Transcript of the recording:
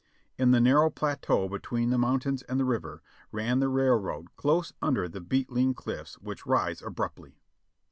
In the narrow plateau between the mountains and the river ran the rail road close under the beetling clififs which rise abruptly.